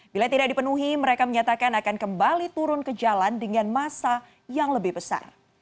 bila tidak dipenuhi mereka menyatakan akan kembali turun ke jalan dengan masa yang lebih besar